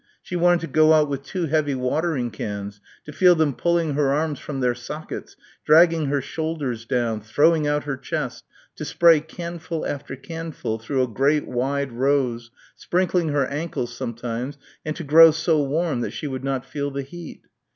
She wanted to go out with two heavy watering cans, to feel them pulling her arms from their sockets, dragging her shoulders down, throwing out her chest, to spray canful after canful through a great wide rose, sprinkling her ankles sometimes, and to grow so warm that she would not feel the heat.